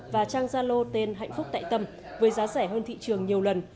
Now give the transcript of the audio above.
và trang zalo tên hạnh phúc tại tâm với giá rẻ hơn thị trường nhiều lần